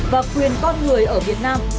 và quyền con người ở việt nam